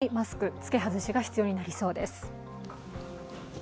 臨機応変にマスクの付け外しが必要になりそうです。